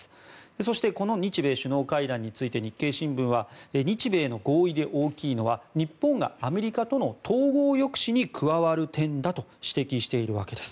そしてこの日米首脳会談について日経新聞は日米の合意で大きいのは日本がアメリカとの統合抑止に加わる点だと指摘しているわけです。